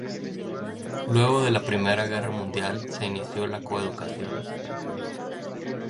Luego de la primera Guerra Mundial se inició la coeducación.